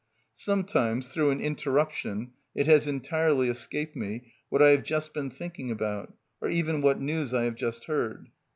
Sometimes, through an interruption, it has entirely escaped me what I have just been thinking about, or even what news I have just heard.